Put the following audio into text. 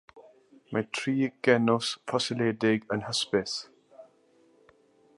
Mae tri genws ffosiledig yn hysbys.